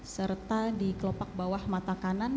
serta di kelopak bawah mata kanan